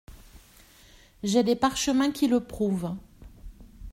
J’ai des parchemins qui le prouvent.